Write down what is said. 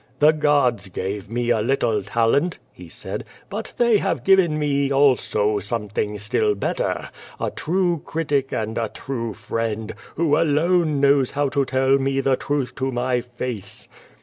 "The gods gave me a little talent," he said. "But they have given me also something still better — ^a true critic and a true friend, who alone knows how to tell me the truth to my face."